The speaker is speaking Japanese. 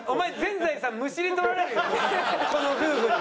お前この夫婦に。